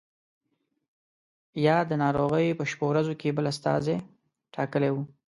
یا د ناروغۍ په شپو ورځو کې بل استازی ټاکلی وو.